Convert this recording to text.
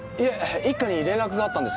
一課に連絡があったんです。